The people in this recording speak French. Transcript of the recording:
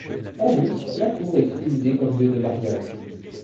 En outre, la tour est utilisée comme lieu de mariage.